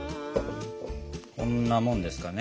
こんなもんですかね。